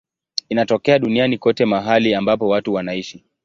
Inatokea duniani kote mahali ambapo watu wanaishi.